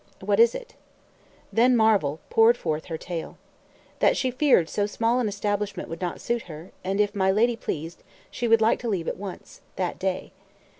"What is it?" Then Marvel poured forth her tale. That she feared so small an establishment would not suit her, and if my lady pleased, she would like to leave at once that day.